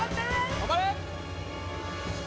頑張れ！